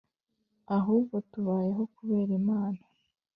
Ahubwo tubayeho kubera imana